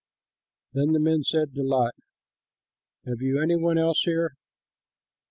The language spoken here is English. Then the men said to Lot, "Have you any one else here?